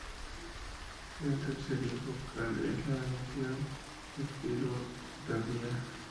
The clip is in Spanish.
Un tercer hijo, Cal, es una adición espuria tardía.